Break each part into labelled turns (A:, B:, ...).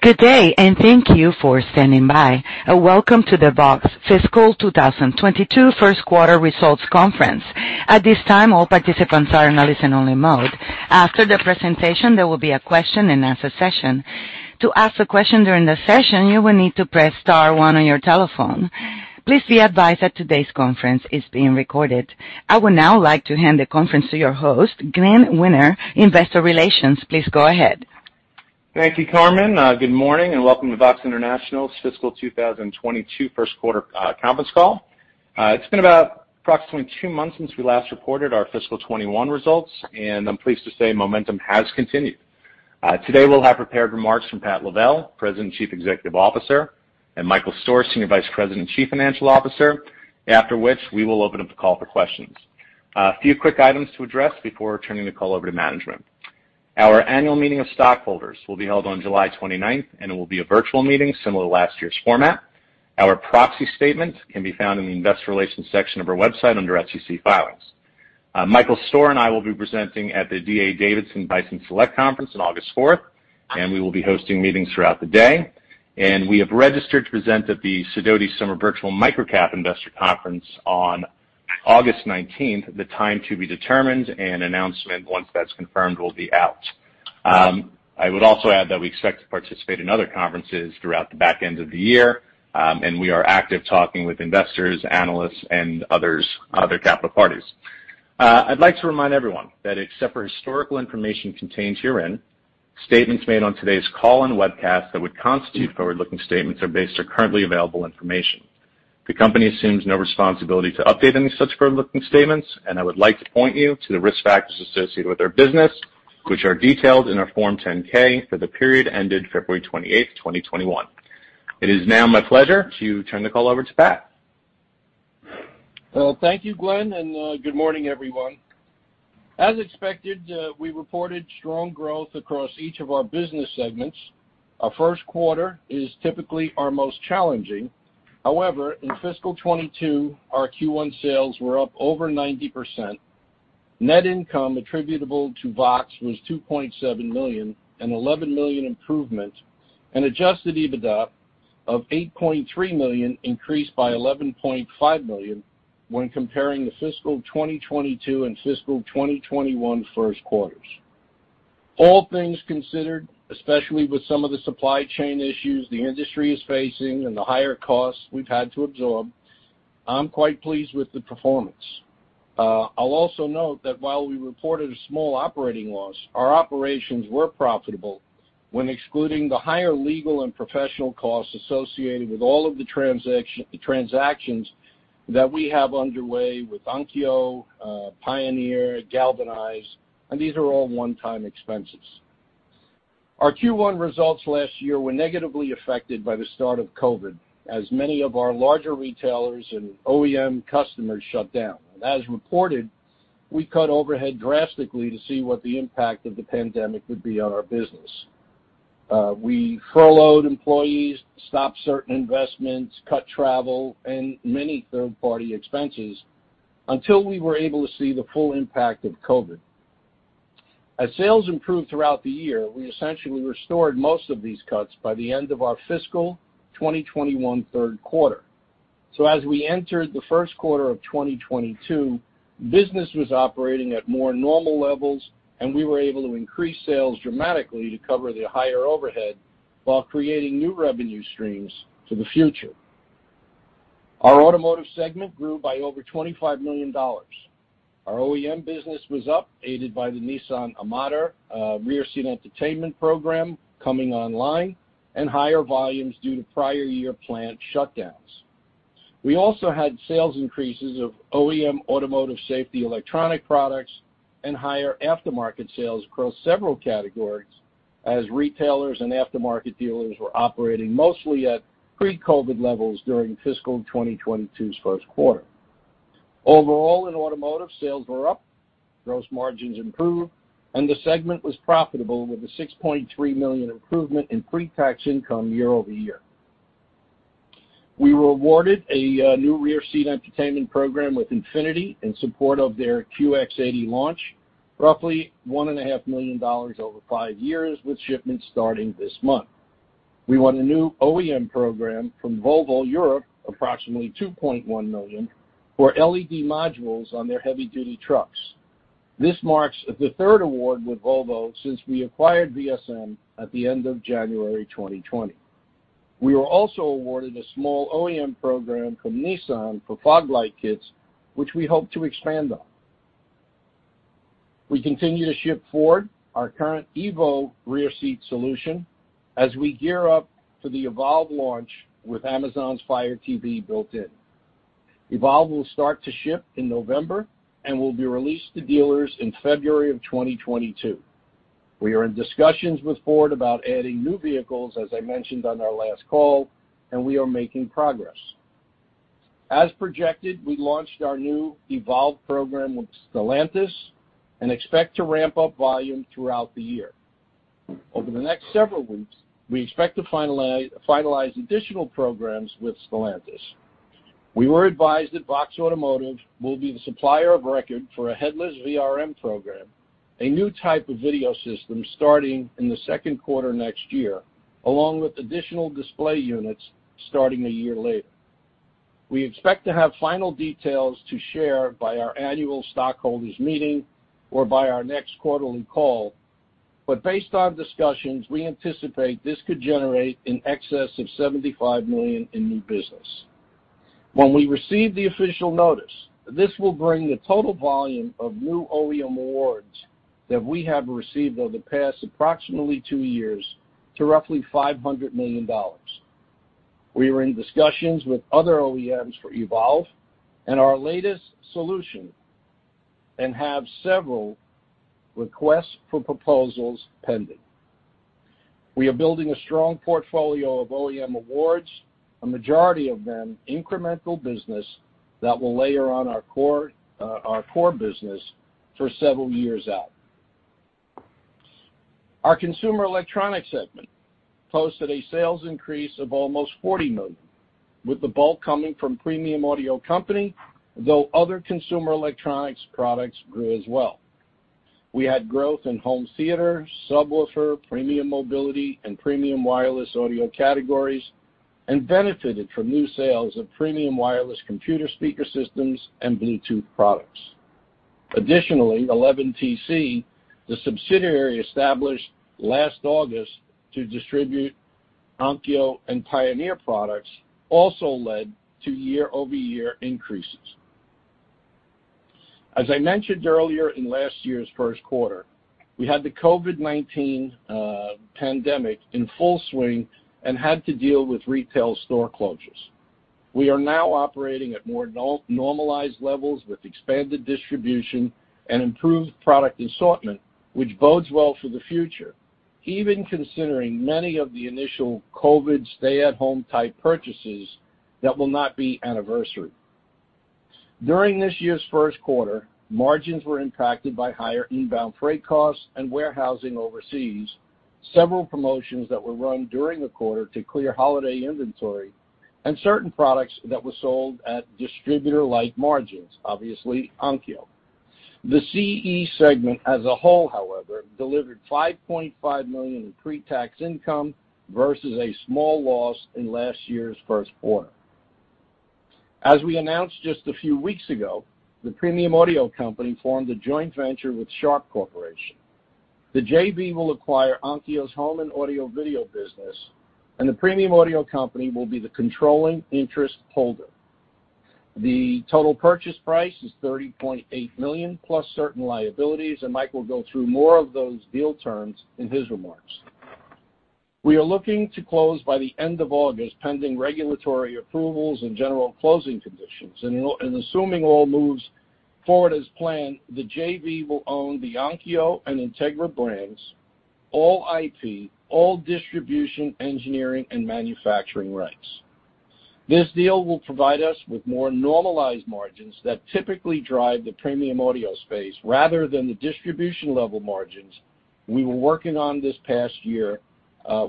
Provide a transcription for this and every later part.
A: Good day, and thank you for standing by, and welcome to the VOXX Fiscal 2022 First Quarter Results Conference. At this time all participants are listen-only mode. After the presentation there will be a question-and-answer session. To ask a question during the session, you will need to press star one on your telephone. Please be advised that today's conference is being recorded. I would now like to hand the conference to your host, Glenn Wiener, investor relations. Please go ahead.
B: Thank you, Carmen. Good morning and welcome to VOXX International's fiscal 2022 first quarter conference call. It's been about approximately two months since we last reported our fiscal 2021 results. I'm pleased to say momentum has continued. Today we'll have prepared remarks from Pat Lavelle, President and Chief Executive Officer, and Michael Stoehr, Senior Vice President and Chief Financial Officer. After which, we will open up the call for questions. A few quick items to address before turning the call over to management. Our annual meeting of stockholders will be held on July 29th. It will be a virtual meeting similar to last year's format. Our proxy statement can be found in the investor relations section of our website under SEC Filings. Michael Stoehr and I will be presenting at the D.A. Davidson Bison Select Conference on August 4th. We will be hosting meetings throughout the day. We have registered to present at the Sidoti Summer Virtual Micro-Cap Investor Conference on August 19th, the time to be determined. An announcement once that's confirmed will be out. I would also add that we expect to participate in other conferences throughout the back end of the year. We are active talking with investors, analysts, and other capital parties. I'd like to remind everyone that except for historical information contained herein, statements made on today's call and webcast that would constitute forward-looking statements are based on currently available information. The company assumes no responsibility to update any such forward-looking statements. I would like to point you to the risk factors associated with our business, which are detailed in our Form 10-K for the period ended February 28th, 2021. It is now my pleasure to turn the call over to Pat.
C: Well, thank you, Glenn, and good morning, everyone. As expected, we reported strong growth across each of our business segments. Our first quarter is typically our most challenging. However, in fiscal 2022, our Q1 sales were up over 90%. Net income attributable to VOXX was $2.7 million, an $11 million improvement. Adjusted EBITDA of $8.3 million increased by $11.5 million when comparing the fiscal 2022 and fiscal 2021 first quarters. All things considered, especially with some of the supply chain issues the industry is facing and the higher costs we've had to absorb, I'm quite pleased with the performance. I'll also note that while we reported a small operating loss, our operations were profitable when excluding the higher legal and professional costs associated with all of the transactions that we have underway with Onkyo, Pioneer, GalvanEyes. These are all one-time expenses. Our Q1 results last year were negatively affected by the start of COVID, as many of our larger retailers and OEM customers shut down. As reported, we cut overhead drastically to see what the impact of the pandemic would be on our business. We furloughed employees, stopped certain investments, cut travel, and many third-party expenses until we were able to see the full impact of COVID. As sales improved throughout the year, we essentially restored most of these cuts by the end of our fiscal 2021 third quarter. As we entered the first quarter of 2022, business was operating at more normal levels, and we were able to increase sales dramatically to cover the higher overhead while creating new revenue streams for the future. Our automotive segment grew by over $25 million. Our OEM business was up, aided by the Nissan Armada Rear Seat Infotainment program coming online and higher volumes due to prior year plant shutdowns. We also had sales increases of OEM automotive safety electronic products and higher aftermarket sales across several categories as retailers and aftermarket dealers were operating mostly at pre-COVID levels during fiscal 2022's first quarter. Overall in automotive, sales were up, gross margins improved, and the segment was profitable with a $6.3 million improvement in pre-tax income year-over-year. We were awarded a new rear seat infotainment program with Infiniti in support of their QX80 launch, roughly $1.5 million over five years, with shipments starting this month. We won a new OEM program from Volvo Europe, approximately $2.1 million, for LED modules on their heavy-duty trucks. This marks the third award with Volvo since we acquired VSM at the end of January 2020. We were also awarded a small OEM program from Nissan for fog light kits, which we hope to expand on. We continue to ship Ford our current EVO rear seat solution as we gear up for the EVOLVE launch with Amazon's Fire TV built in. EVOLVE will start to ship in November and will be released to dealers in February of 2022. We are in discussions with Ford about adding new vehicles, as I mentioned on our last call, and we are making progress. As projected, we launched our new EVOLVE program with Stellantis and expect to ramp up volume throughout the year. Over the next several weeks, we expect to finalize additional programs with Stellantis. We were advised that VOXX Automotive will be the supplier of record for a headless VRM program, a new type of video system starting in the second quarter next year, along with additional display units starting one year later. We expect to have final details to share by our annual stockholders' meeting or by our next quarterly call. Based on discussions, we anticipate this could generate in excess of $75 million in new business. When we receive the official notice, this will bring the total volume of new OEM awards that we have received over the past approximately two years to roughly $500 million. We are in discussions with other OEMs for EVOLVE and our latest solution and have several requests for proposals pending. We are building a strong portfolio of OEM awards, a majority of them incremental business that will layer on our core business for several years out. Our consumer electronics segment posted a sales increase of almost $40 million, with the bulk coming from Premium Audio Company, though other consumer electronics products grew as well. We had growth in home theater, subwoofer, premium mobility, and premium wireless audio categories, and benefited from new sales of premium wireless computer speaker systems and Bluetooth products. Additionally, 11TC, the subsidiary established last August to distribute Onkyo and Pioneer products, also led to year-over-year increases. As I mentioned earlier in last year's first quarter, we had the COVID-19 pandemic in full swing and had to deal with retail store closures. We are now operating at more normalized levels with expanded distribution and improved product assortment, which bodes well for the future, even considering many of the initial COVID stay-at-home type purchases that will not be anniversary. During this year's first quarter, margins were impacted by higher inbound freight costs and warehousing overseas, several promotions that were run during the quarter to clear holiday inventory, and certain products that were sold at distributor-like margins, obviously Onkyo. The CE segment as a whole, however, delivered $5.5 million in pre-tax income versus a small loss in last year's first quarter. As we announced just a few weeks ago, the Premium Audio Company formed a joint venture with Sharp Corporation. The JV will acquire Onkyo's home and audio-video business, and the Premium Audio Company will be the controlling interest holder. The total purchase price is $30.8 million, plus certain liabilities. Mike will go through more of those deal terms in his remarks. We are looking to close by the end of August, pending regulatory approvals and general closing conditions. Assuming all moves forward as planned, the JV will own the Onkyo and Integra brands, all IP, all distribution, engineering, and manufacturing rights. This deal will provide us with more normalized margins that typically drive the premium audio space rather than the distribution-level margins we were working on this past year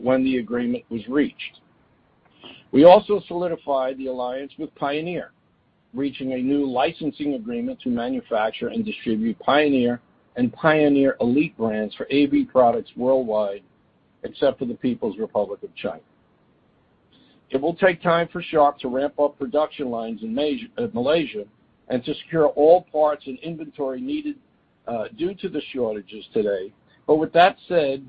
C: when the agreement was reached. We also solidified the alliance with Pioneer, reaching a new licensing agreement to manufacture and distribute Pioneer and Pioneer Elite brands for AV products worldwide, except for the People's Republic of China. It will take time for Sharp to ramp up production lines in Malaysia and to secure all parts and inventory needed due to the shortages today. With that said,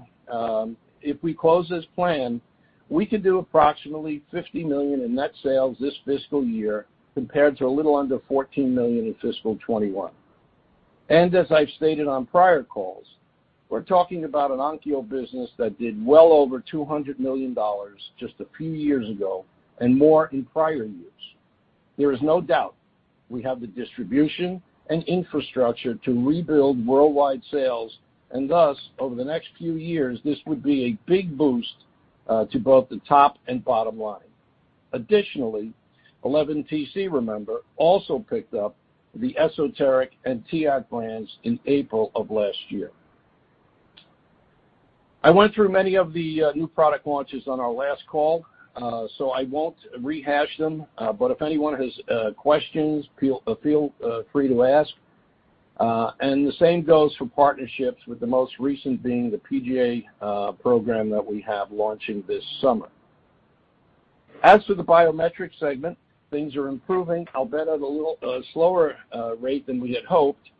C: if we close as planned, we could do approximately $50 million in net sales this fiscal year compared to a little under $14 million in fiscal 2021. As I've stated on prior calls, we're talking about an Onkyo business that did well over $200 million just a few years ago and more in prior years. There is no doubt we have the distribution and infrastructure to rebuild worldwide sales, and thus, over the next few years, this would be a big boost to both the top and bottom line. Additionally, 11TC, remember, also picked up the Esoteric and TEAC brands in April of last year. I went through many of the new product launches on our last call, so I won't rehash them, but if anyone has questions, feel free to ask. The same goes for partnerships, with the most recent being the PGA program that we have launching this summer. As for the biometrics segment, things are improving, albeit at a slower rate than we had hoped.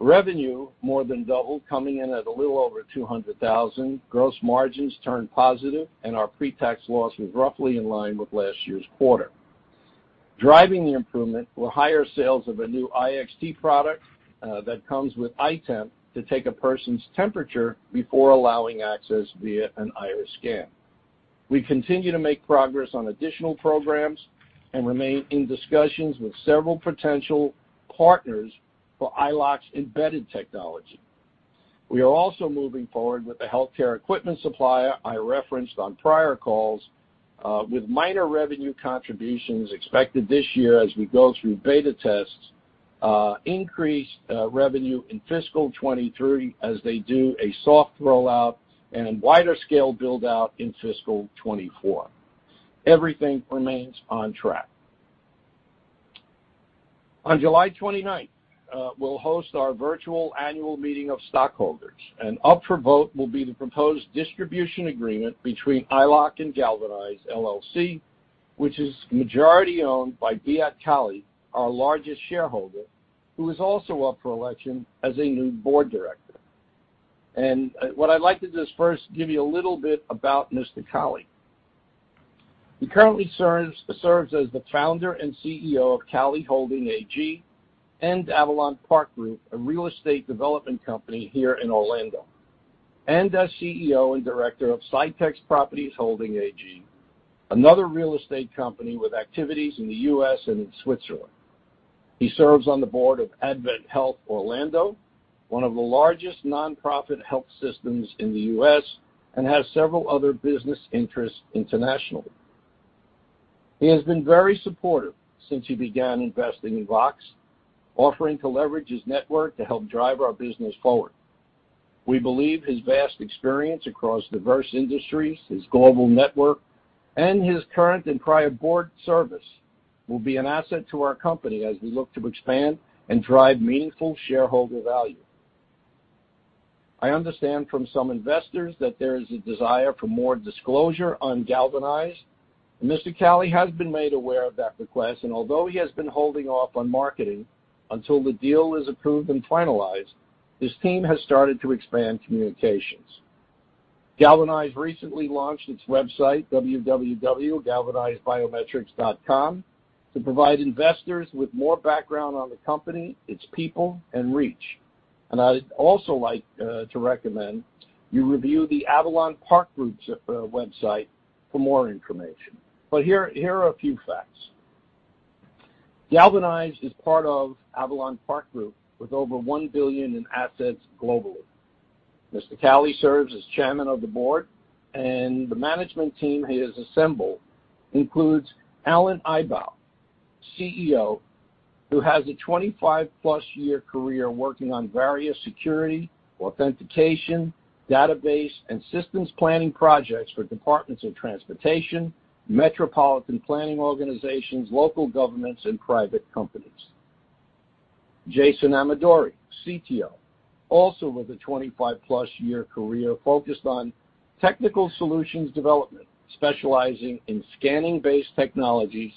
C: Revenue more than doubled, coming in at a little over $200,000. Gross margins turned positive, and our pre-tax loss was roughly in line with last year's quarter. Driving the improvement were higher sales of a new iXT product that comes with iTemp to take a person's temperature before allowing access via an iris scan. We continue to make progress on additional programs and remain in discussions with several potential partners for EyeLock's embedded technology. We are also moving forward with the healthcare equipment supplier I referenced on prior calls, with minor revenue contributions expected this year as we go through beta tests increase revenue in fiscal 2023 as they do a soft rollout and wider scale build-out in fiscal 2024. Everything remains on track. On July 29th, we'll host our virtual annual meeting of stockholders, and up for vote will be the proposed distribution agreement between EyeLock and GalvanEyes LLC, which is majority owned by Beat Kähli, our largest shareholder, who is also up for election as a new Board Director. What I'd like to do is first give you a little bit about Mr. Kähli. He currently serves as the founder and CEO of Kahli Holding AG and Avalon Park Group, a real estate development company here in Orlando, and as CEO and director of sitEX Properties Holding AG, another real estate company with activities in the U.S. and in Switzerland. He serves on the board of AdventHealth Orlando, one of the largest nonprofit health systems in the U.S., and has several other business interests internationally. He has been very supportive since he began investing in VOXX, offering to leverage his network to help drive our business forward. We believe his vast experience across diverse industries, his global network, and his current and prior Board service will be an asset to our company as we look to expand and drive meaningful shareholder value. I understand from some investors that there is a desire for more disclosure on GalvanEyes. Mr. Kähli has been made aware of that request, and although he has been holding off on marketing until the deal is approved and finalized, his team has started to expand communications. GalvanEyes recently launched its website, www.galvaneyesbiometric.com, to provide investors with more background on the company, its people and reach. I'd also like to recommend you review the Avalon Park Group's website for more information. Here are a few facts. GalvanEyes is part of Avalon Park Group with over $1 billion in assets globally. Mr. Kähli serves as Chairman of the Board, and the management team he has assembled includes Allen Ibaugh, CEO, who has a 25-plus-year career working on various security, authentication, database, and systems planning projects for departments of transportation, metropolitan planning organizations, local governments, and private companies. Jason Amadori, CTO, also with a 25-plus-year career focused on technical solutions development, specializing in scanning-based technologies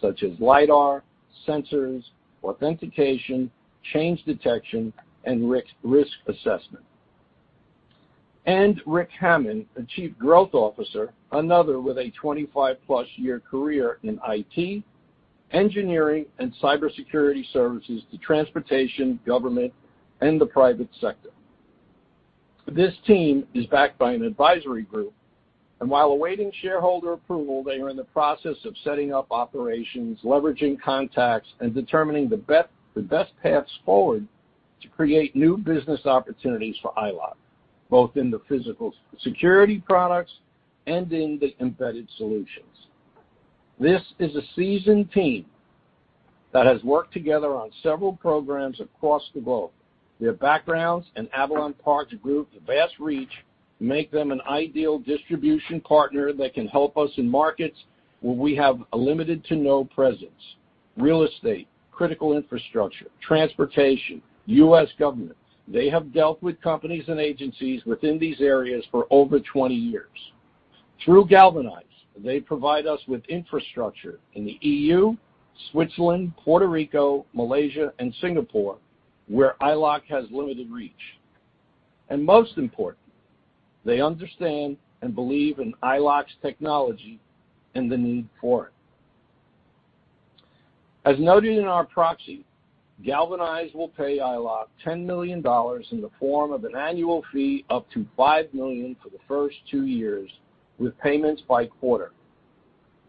C: such as LiDAR, sensors, authentication, change detection, and risk assessment. Rick Hammond, the Chief Growth Officer, another with a 25-plus-year career in IT, engineering, and cybersecurity services to transportation, government, and the private sector. This team is backed by an advisory group, and while awaiting shareholder approval, they are in the process of setting up operations, leveraging contacts, and determining the best paths forward to create new business opportunities for EyeLock, both in the physical security products and in the embedded solutions. This is a seasoned team that has worked together on several programs across the globe. Their backgrounds and Avalon Park Group's vast reach make them an ideal distribution partner that can help us in markets where we have a limited to no presence. Real estate, critical infrastructure, transportation, U.S. government. They have dealt with companies and agencies within these areas for over 20 years. Through GalvanEyes, they provide us with infrastructure in the EU, Switzerland, Puerto Rico, Malaysia, and Singapore, where EyeLock has limited reach. Most important, they understand and believe in EyeLock's technology and the need for it. As noted in our proxy, GalvanEyes will pay EyeLock $10 million in the form of an annual fee up to $5 million for the first two years, with payments by quarter.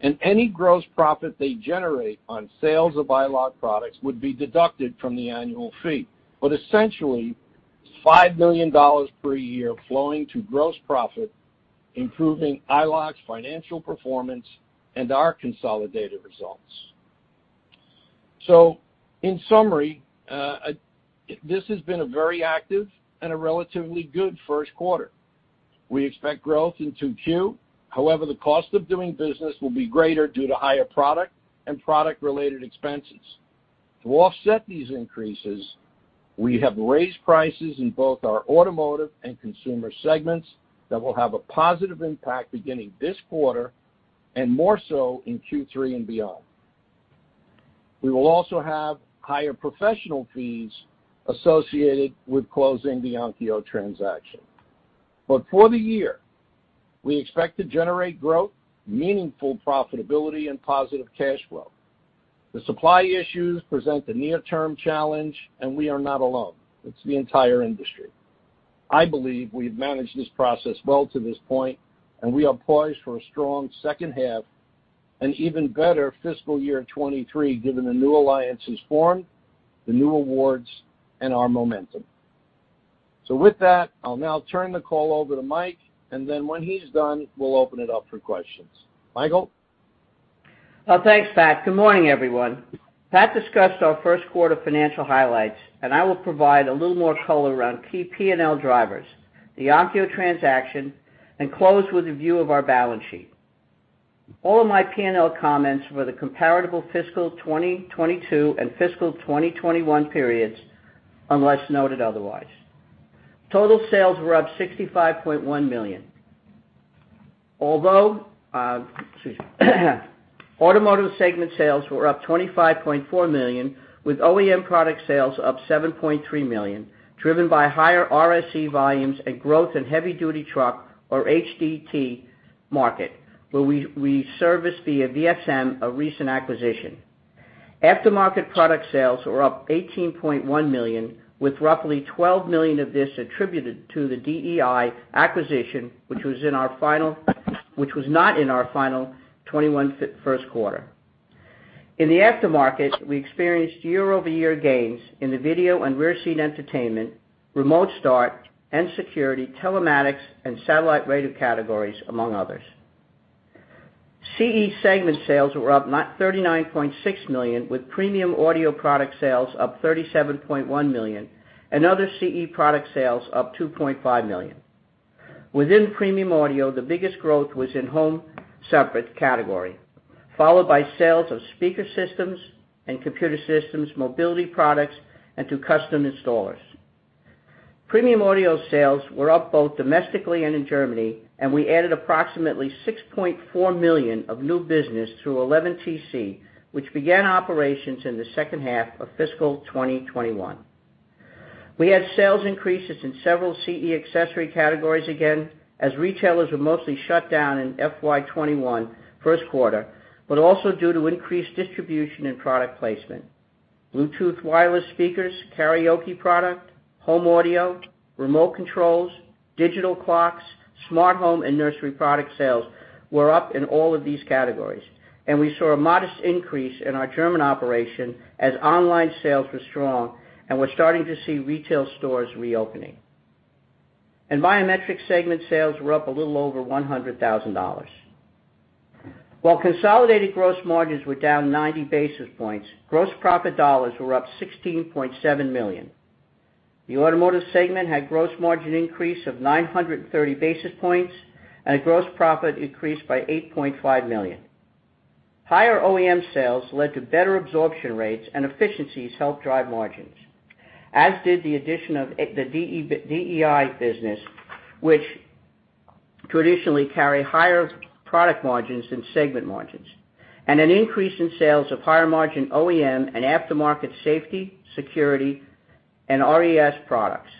C: Any gross profit they generate on sales of EyeLock products would be deducted from the annual fee. Essentially, $5 million per year flowing to gross profit, improving EyeLock's financial performance and our consolidated results. In summary, this has been a very active and a relatively good first quarter. We expect growth in 2Q, however, the cost of doing business will be greater due to higher product and product-related expenses. To offset these increases, we have raised prices in both our automotive and consumer segments that will have a positive impact beginning this quarter and more so in Q3 and beyond. We will also have high professional fees associated with closing the Onkyo transaction. But for the year, we expect to generate growth, meaningful profitability, and positive cash flow. The supply issues present a near-term challenge, and we are not alone. It's the entire industry. I believe we've managed this process well to this point, and we are poised for a strong second half and even better fiscal year 2023, given the new alliances formed, the new awards, and our momentum. With that, I'll now turn the call over to Mike, and then when he's done, we'll open it up for questions. Michael?
D: Well, thanks, Pat. Good morning, everyone. Pat discussed our first quarter financial highlights, and I will provide a little more color around key P&L drivers, the Onkyo transaction, and close with a view of our balance sheet. All my P&L comments were the comparable fiscal 2022 and fiscal 2021 periods, unless noted otherwise. Total sales were up $65.1 million. Automotive segment sales were up $25.4 million, with OEM product sales up $7.3 million, driven by higher RSE volumes and growth in heavy duty truck, or HDT, market, where we service via VSM, a recent acquisition. Aftermarket product sales were up $18.1 million, with roughly $12 million of this attributed to the DEI acquisition, which was not in our final 2021 first quarter. In the aftermarket, we experienced year-over-year gains in the video and rear seat entertainment, remote start and security, telematics, and satellite radio categories, among others. CE segment sales were up $39.6 million, with premium audio product sales up $37.1 million and other CE product sales up $2.5 million. Within premium audio, the biggest growth was in home separate category, followed by sales of speaker systems and computer systems, mobility products, and to custom installers. Premium audio sales were up both domestically and in Germany, and we added approximately $6.4 million of new business through 11TC, which began operations in the second half of fiscal 2021. We had sales increases in several CE accessory categories again, as retailers were mostly shut down in FY 2021 first quarter, but also due to increased distribution and product placement. Bluetooth wireless speakers, karaoke product, home audio, remote controls, digital clocks, smart home, and nursery product sales were up in all of these categories, and we saw a modest increase in our German operation as online sales were strong and we're starting to see retail stores reopening. Biometric segment sales were up a little over $100,000. While consolidated gross margins were down 90 basis points, gross profit dollars were up $16.7 million. The automotive segment had gross margin increase of 930 basis points and gross profit increased by $8.5 million. Higher OEM sales led to better absorption rates and efficiencies helped drive margins, as did the addition of the DEI business, which traditionally carry higher product margins than segment margins, and an increase in sales of higher margin OEM and aftermarket safety, security, and RSE products.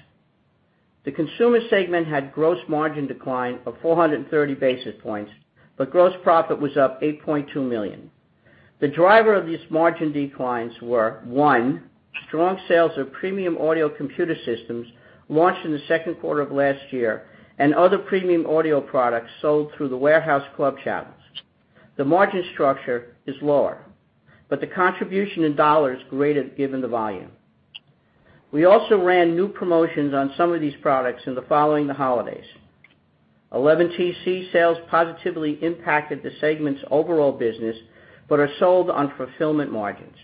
D: The consumer segment had gross margin decline of 430 basis points, but gross profit was up $8.2 million. The driver of these margin declines were, one, strong sales of Premium Audio Company systems launched in the second quarter of last year and other premium audio products sold through the warehouse club channels. The margin structure is lower, but the contribution in dollars is greater given the volume. We also ran new promotions on some of these products in the following the holidays. 11TC sales positively impacted the segment's overall business but are sold on fulfillment margins.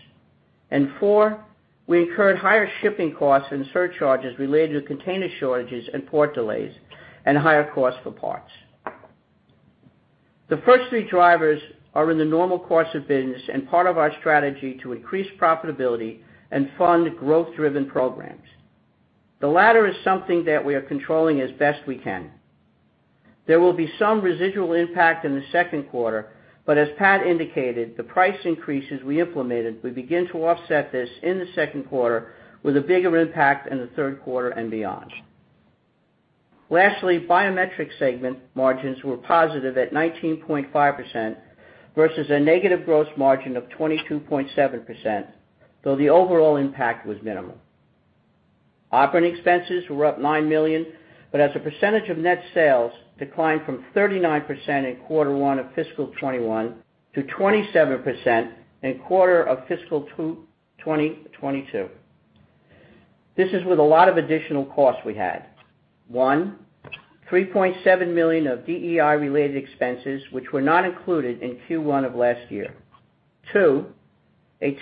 D: Four, we incurred higher shipping costs and surcharges related to container shortages and port delays and higher costs for parts. The first three drivers are in the normal course of business and part of our strategy to increase profitability and fund growth-driven programs. The latter is something that we are controlling as best we can. There will be some residual impact in the second quarter, as Pat indicated, the price increases we implemented will begin to offset this in the second quarter with a bigger impact in the third quarter and beyond. Lastly, Biometrics segment margins were positive at 19.5% versus a negative gross margin of 22.7%, though the overall impact was minimal. Operating expenses were up $9 million, as a percentage of net sales declined from 39% in quarter one of fiscal 2021 to 27% in quarter of fiscal 2022. This is with a lot of additional costs we had. One, $3.7 million of DEI-related expenses, which were not included in Q1 of last year.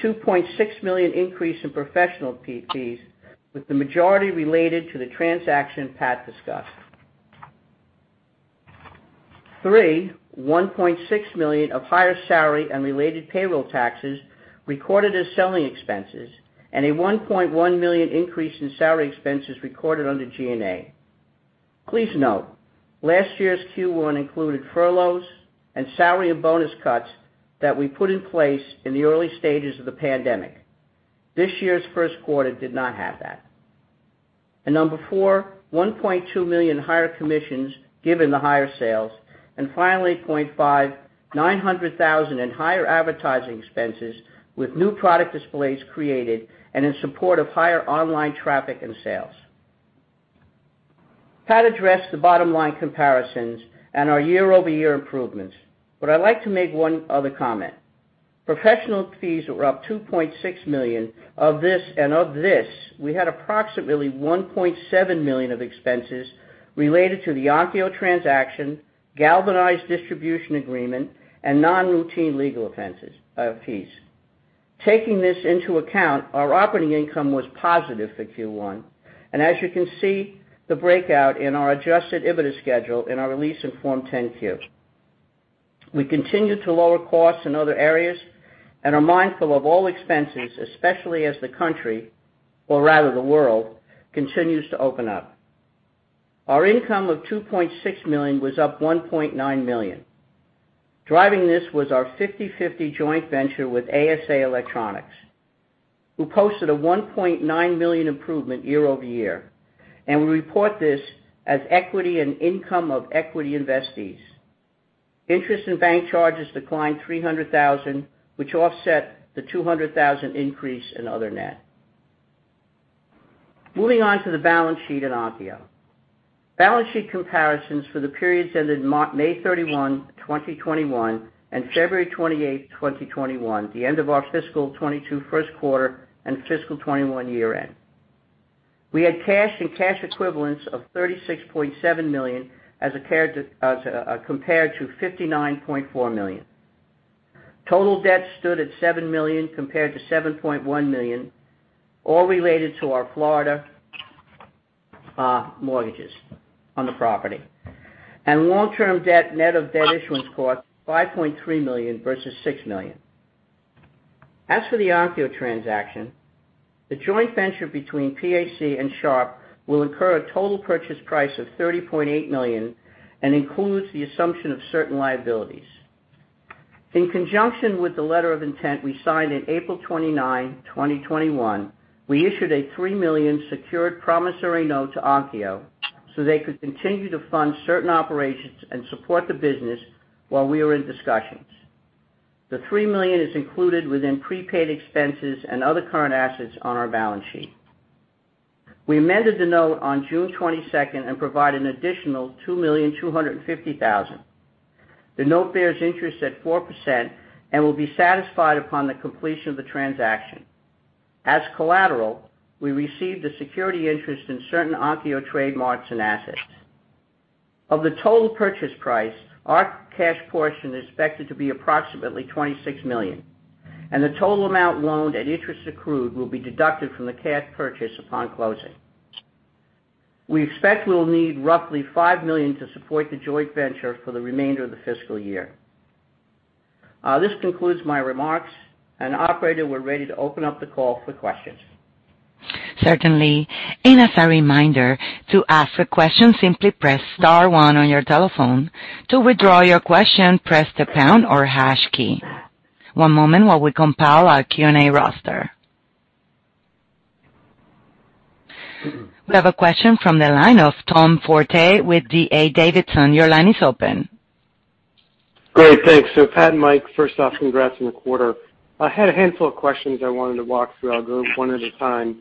D: Two, a $2.6 million increase in professional fees, with the majority related to the transaction Pat discussed. Three, $1.6 million of higher salary and related payroll taxes recorded as selling expenses and a $1.1 million increase in salary expenses recorded under G&A. Please note, last year's Q1 included furloughs and salary and bonus cuts that we put in place in the early stages of the pandemic. This year's first quarter did not have that. Number four, $1.2 million higher commissions given the higher sales. Finally, point five, $900,000 in higher advertising expenses with new product displays created and in support of higher online traffic and sales. Pat addressed the bottom line comparisons and our year-over-year improvements. I'd like to make one other comment. Professional fees were up $2.6 million, and of this, we had approximately $1.7 million of expenses related to the Onkyo transaction, GalvanEyes distribution agreement, and non-routine legal fees. Taking this into account, our operating income was positive for Q1. As you can see, the breakout in our adjusted EBITDA schedule in our recent Form 10-Q. We continue to lower costs in other areas and are mindful of all expenses, especially as the country, or rather the world, continues to open up. Our income of $2.6 million was up $1.9 million. Driving this was our 50/50 joint venture with ASA Electronics, who posted a $1.9 million improvement year-over-year, and we report this as equity in income of equity investees. Interest and bank charges declined $300,000, which offset the $200,000 increase in other net. Moving on to the balance sheet and Onkyo. Balance sheet comparisons for the periods ended May 31, 2021, and February 28, 2021, the end of our fiscal 2022 first quarter and fiscal 2021 year-end. We had cash and cash equivalents of $36.7 million as compared to $59.4 million. Total debt stood at $7 million compared to $7.1 million, all related to our Florida mortgages on the property. Long-term debt net of debt issuance cost $5.3 million versus $6 million. As for the Onkyo transaction, the joint venture between PAC and Sharp will incur a total purchase price of $30.8 million and includes the assumption of certain liabilities. In conjunction with the letter of intent we signed on April 29, 2021, we issued a $3 million secured promissory note to Onkyo so they could continue to fund certain operations and support the business while we were in discussions. The $3 million is included within prepaid expenses and other current assets on our balance sheet. We amended the note on June 22nd and provided an additional $2,250,000. The note bears interest at 4% and will be satisfied upon the completion of the transaction. As collateral, we received a security interest in certain Onkyo trademarks and assets. Of the total purchase price, our cash portion is expected to be approximately $26 million, and the total amount loaned and interest accrued will be deducted from the cash purchase upon closing. We expect we'll need roughly $5 million to support the joint venture for the remainder of the fiscal year. This concludes my remarks, and operator, we're ready to open up the call for questions.
A: Certainly. As a reminder to ask a question simply press star one on your telephone. To withdraw your question, press the pound or hash key. One moment while we compile our Q&A roster. We have a question from the line of Tom Forte with D.A. Davidson. Tom, your line is open.
E: Great. Thanks. Pat and Mike, first off, congrats on the quarter. I had a handful of questions I wanted to walk through. I'll go one at a time.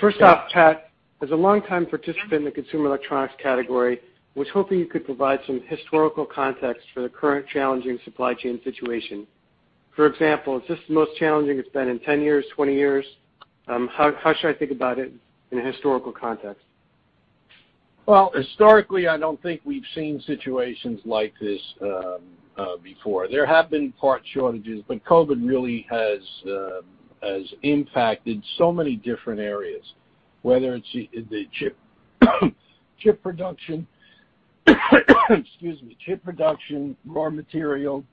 E: First off, Pat, as a longtime participant in the consumer electronics category, I was hoping you could provide some historical context for the current challenging supply chain situation. For example, is this the most challenging it's been in 10 years, 20 years? How should I think about it in historical context?
C: Well, historically, I don't think we've seen situations like this before. There have been part shortages, but COVID really has impacted so many different areas, whether it's the chip production, excuse me, chip production, raw material,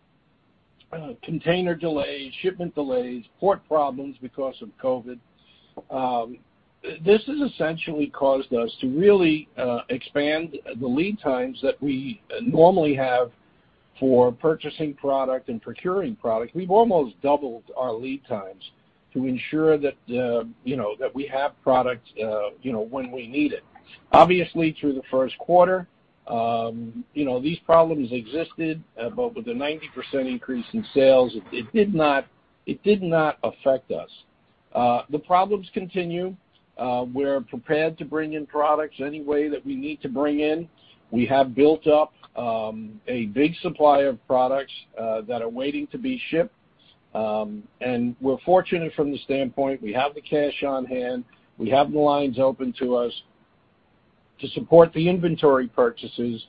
C: container delays, shipment delays, port problems because of COVID. This has essentially caused us to really expand the lead times that we normally have for purchasing product and procuring product. We've almost doubled our lead times to ensure that we have product when we need it. Obviously, through the first quarter, these problems existed, but with a 90% increase in sales, it did not affect us. The problems continue. We're prepared to bring in products any way that we need to bring in. We have built up a big supply of products that are waiting to be shipped. We're fortunate from the standpoint, we have the cash on hand, we have the lines open to us to support the inventory purchases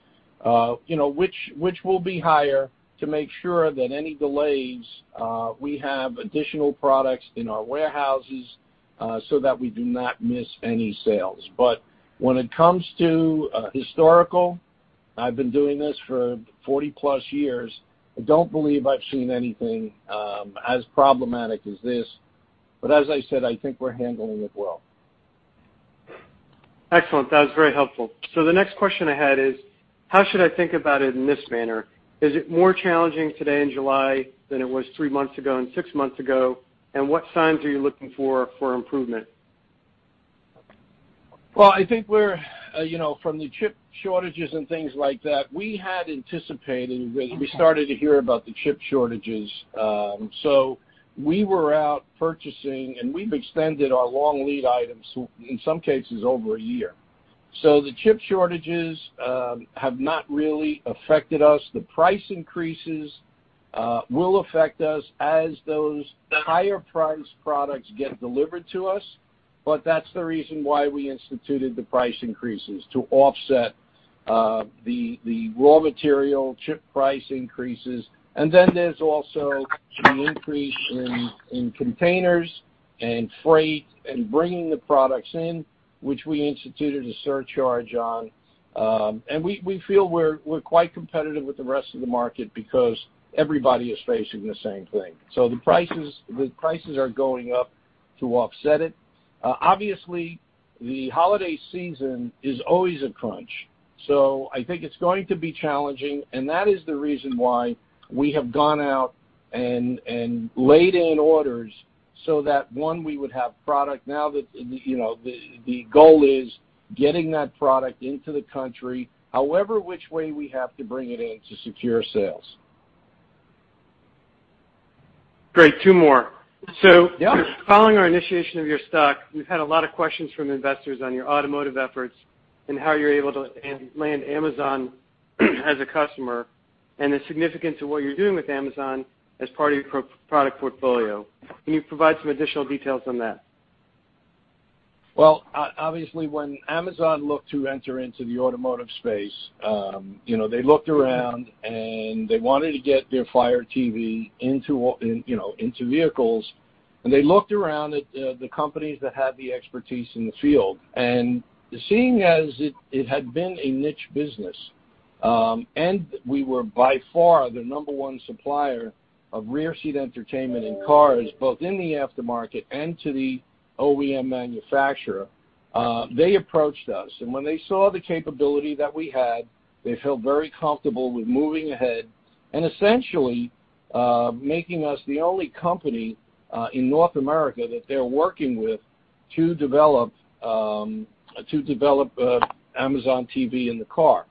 C: which will be higher to make sure that any delays, we have additional products in our warehouses so that we do not miss any sales. When it comes to historical, I've been doing this for 40-plus years. I don't believe I've seen anything as problematic as this. As I said, I think we're handling it well.
E: Excellent. That was very helpful. The next question I had is, how should I think about it in this manner? Is it more challenging today in July than it was three months ago and six months ago? What signs are you looking for improvement?
C: Well, I think from the chip shortages and things like that, we had anticipated. We started to hear about the chip shortages, so we were out purchasing, and we've extended our long lead items, in some cases, over a year. The chip shortages have not really affected us. The price increases will affect us as those higher priced products get delivered to us. That's the reason why we instituted the price increases, to offset the raw material chip price increases. There's also the increase in containers and freight and bringing the products in, which we instituted a surcharge on. We feel we're quite competitive with the rest of the market because everybody is facing the same thing. The prices are going up to offset it. Obviously, the holiday season is always a crunch, so I think it's going to be challenging, and that is the reason why we have gone out and laid in orders so that, one, we would have product. Now, the goal is getting that product into the country, however which way we have to bring it in to secure sales.
E: Great. Two more.
C: Yeah.
E: Following our initiation of your stock, we've had a lot of questions from investors on your automotive efforts and how you're able to land Amazon as a customer and the significance of what you're doing with Amazon as part of your product portfolio. Can you provide some additional details on that?
C: Obviously, when Amazon looked to enter into the automotive space, they looked around and they wanted to get their Fire TV into vehicles. They looked around at the companies that had the expertise in the field. Seeing as it had been a niche business, and we were by far the number one supplier of rear seat entertainment in cars, both in the aftermarket and to the OEM manufacturer, they approached us. When they saw the capability that we had, they felt very comfortable with moving ahead and essentially making us the only company in North America that they're working with to develop Amazon TV in the car.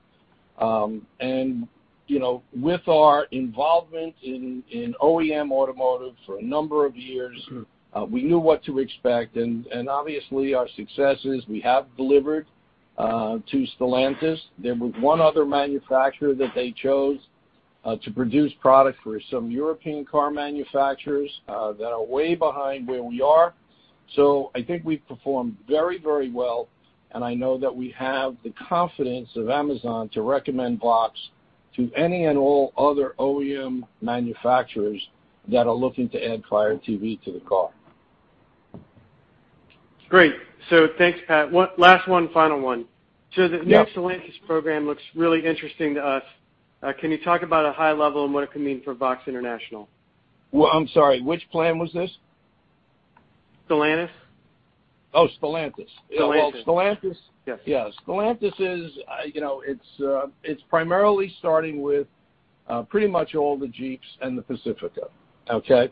C: With our involvement in OEM automotive for a number of years, we knew what to expect, and obviously our successes, we have delivered to Stellantis. There was one other manufacturer that they chose to produce product for some European car manufacturers that are way behind where we are. I think we've performed very well, and I know that we have the confidence of Amazon to recommend VOXX to any and all other OEM manufacturers that are looking to add Fire TV to the car.
E: Great. Thanks, Pat. Last one, final one.
C: Yeah.
E: The new Stellantis program looks really interesting to us. Can you talk about a high level and what it could mean for VOXX International?
C: Well, I'm sorry, which plan was this?
E: Stellantis.
C: Oh, Stellantis.
E: Stellantis. Yes.
C: Well. Yeah. Stellantis, it's primarily starting with pretty much all the Jeeps and the Pacifica. Okay?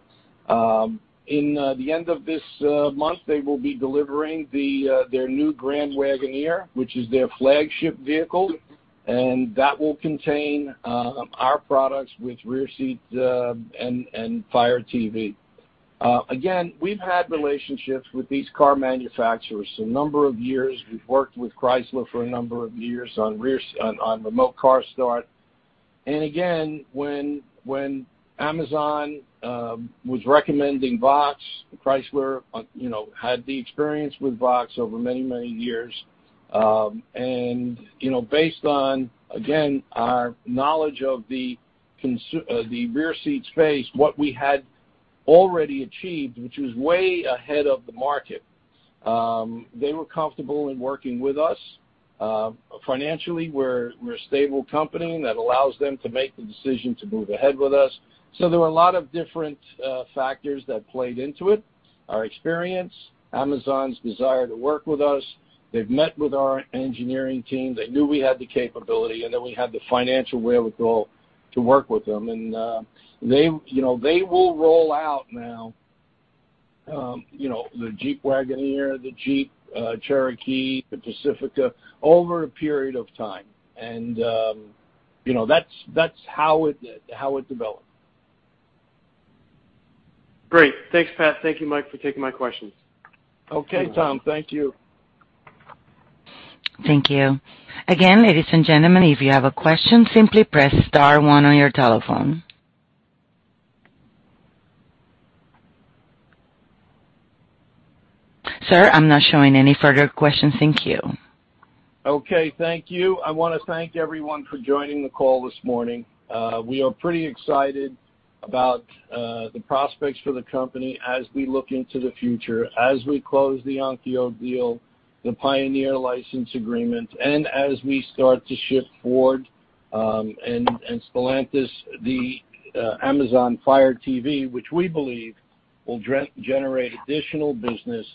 C: In the end of this month, they will be delivering their new Grand Wagoneer, which is their flagship vehicle, and that will contain our products with rear seat and Fire TV. Again, we've had relationships with these car manufacturers a number of years. We've worked with Chrysler for a number of years on remote car start. Again, when Amazon was recommending VOXX, Chrysler had the experience with VOXX over many years. Based on, again, our knowledge of the rear seat space, what we had already achieved, which was way ahead of the market, they were comfortable in working with us. Financially, we're a stable company that allows them to make the decision to move ahead with us. There were a lot of different factors that played into it. Our experience, Amazon's desire to work with us. They've met with our engineering team. They knew we had the capability, then we had the financial wherewithal to work with them. They will roll out now the Jeep Wagoneer, the Jeep Cherokee, the Pacifica over a period of time. That's how it developed.
E: Great. Thanks, Pat. Thank you, Mike, for taking my questions.
C: Okay, Tom. Thank you.
A: Thank you. Again, ladies and gentlemen, if you have a question, simply press star one on your telephone. Sir, I'm not showing any further questions. Thank you.
C: Okay. Thank you. I want to thank everyone for joining the call this morning. We are pretty excited about the prospects for the company as we look into the future, as we close the Onkyo deal, the Pioneer license agreement, and as we start to shift Ford and Stellantis, the Amazon Fire TV, which we believe will generate additional business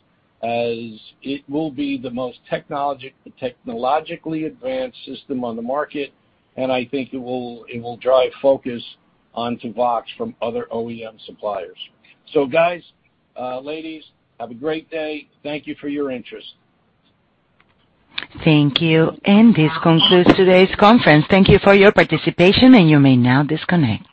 C: as it will be the most technologically advanced system on the market, and I think it will drive focus onto VOXX from other OEM suppliers. Guys, ladies, have a great day. Thank you for your interest.
A: Thank you. This concludes today's conference. Thank you for your participation, and you may now disconnect.